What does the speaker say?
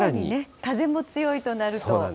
風も強いとなると。